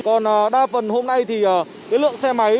còn đa phần hôm nay thì cái lượng xe máy